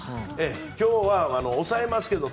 今日は、抑えますけど